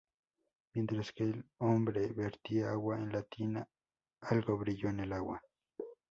Mientras que el hombre vertía agua en la tina, algo brilló en el agua.